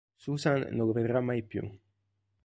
Susan non lo vedrà mai più.